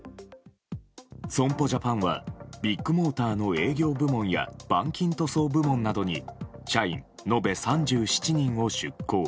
損保ジャパンはビッグモーターの営業部門や板金・塗装部門などに社員、延べ３７人を出向。